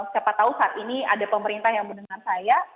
siapa tahu saat ini ada pemerintah yang mendengar saya